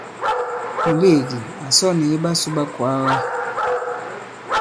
Mùleèdi à sɔ nì iɓasū ɓa ikwàaga.